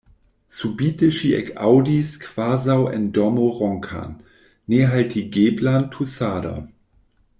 Subite ŝi ekaŭdis kvazaŭ en dormo ronkan, nehaltigeblan tusadon.